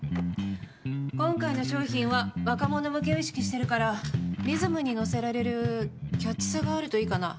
今回の商品は若者向けを意識しているからリズムに乗せられるキャッチーさがあるといいかな。